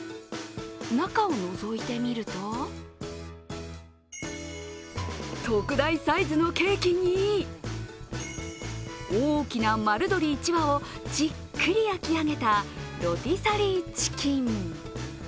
中をのぞいてみると特大サイズのケーキに大きな丸鶏１羽をじっくり焼き上げたロティサリーチキン。